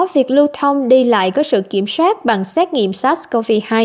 việc lưu thông đi lại có sự kiểm soát bằng xét nghiệm sars cov hai